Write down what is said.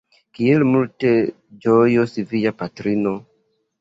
Kiel multe ĝojos via patrino!